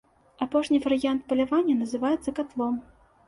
Апошні варыянт палявання называецца катлом.